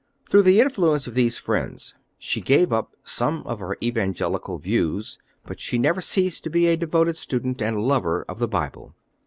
Through the influence of these friends she gave up some of her evangelical views, but she never ceased to be a devoted student and lover of the Bible.